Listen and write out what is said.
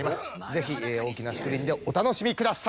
ぜひ大きなスクリーンでお楽しみください。